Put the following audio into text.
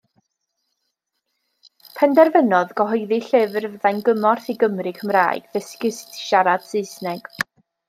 Penderfynodd gyhoeddi llyfr fyddai'n gymorth i Gymry Cymraeg ddysgu sut i siarad Saesneg.